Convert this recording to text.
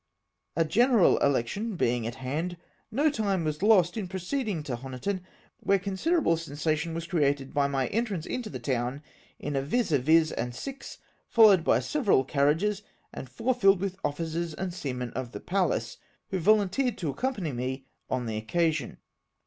A general election being at hand, no time was lost in proceeding to Honiton, where considerable sensation was created by my entrance into the town in a vis a vis and six, followed by several carriages and four filled with officers and seamen of the Pallas, who volunteered to accompany me on the occasion.